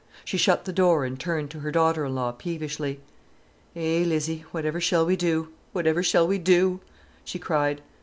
She shut the door and turned to her daughter in law peevishly. "Eh, Lizzie, whatever shall we do, whatever shall we do!" she cried.